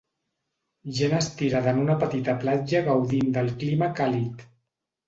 Gent estirada en una petita platja gaudint del clima càlid.